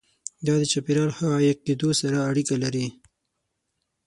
دا د چاپیریال ښه عایق کېدو سره اړیکه لري.